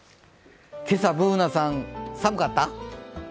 今朝、Ｂｏｏｎａちゃん、寒かった？